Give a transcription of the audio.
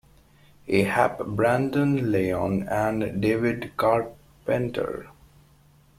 A. Happ, Brandon Lyon, and David Carpenter.